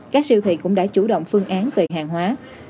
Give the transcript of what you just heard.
các siêu thị cũng đã chủ động phương án về hàng hóa